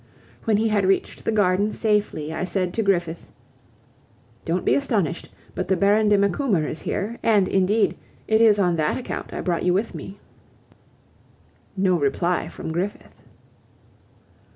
When he had reached the garden safely, I said to Griffith: "Don't be astonished, but the Baron de Macumer is here, and, indeed, it is on that account I brought you with me." No reply from Griffith.